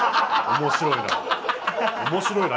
面白いな。